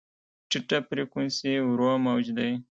ټیټه فریکونسي ورو موج دی.